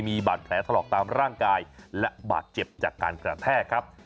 มีบาดแผลถลอกตามร่างกายและบาดเจ็บจากการกระแทกครับ